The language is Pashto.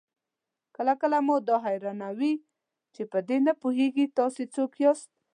کله کله مو دا حيرانوي چې په دې نه پوهېږئ تاسې څوک ياستئ؟